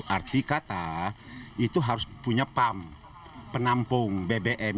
arti kata itu harus punya pump penampung bbm